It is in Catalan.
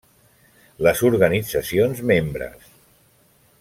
Les organitzacions membres.